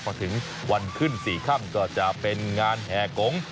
พอถึงวันขึ้น๔ค่ำก็จะเป็นงานแห่กง